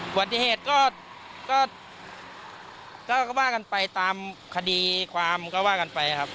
ปฏิเหตุก็ว่ากันไปตามคดีความก็ว่ากันไปครับ